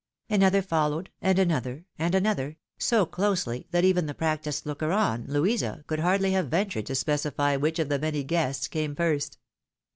Another followed, and another, and another, so closely that even the practised looker on, Louisa, could hardly have ventured to specify which of the many guests came first.